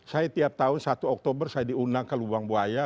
saya tiap tahun satu oktober saya diundang ke lubang buaya